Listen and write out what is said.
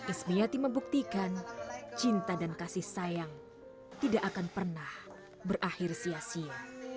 ismiati membuktikan cinta dan kasih sayang tidak akan pernah berakhir sia sia